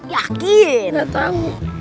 yakin gak tahu